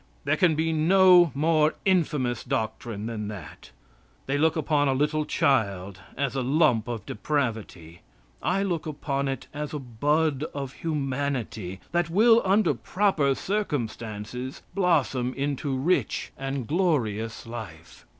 There can be no more infamous doctrine than that. They look upon a little child as a lump of depravity. I look upon it as a bud of humanity, that will, under proper circumstances, blossom into rich and glorious life.